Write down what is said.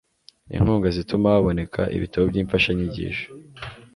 Inkunga zituma haboneka ibitabo by'imfashanyigisho,